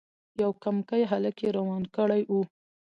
یو کمکی هلک یې روان کړی وو.